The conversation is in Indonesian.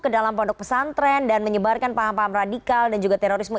ke dalam pondok pesantren dan menyebarkan paham paham radikal dan juga terorisme